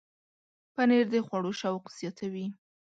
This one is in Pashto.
پنېر د خوړو شوق زیاتوي.